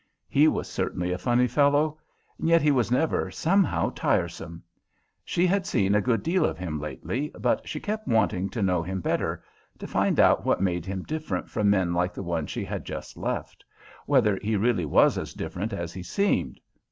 He was certainly a funny fellow. Yet he was never, somehow, tiresome. She had seen a good deal of him lately, but she kept wanting to know him better, to find out what made him different from men like the one she had just left whether he really was as different as he seemed.